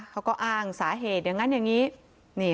เขาก็อ้างสาเหตุอย่างนั้นอย่างนี้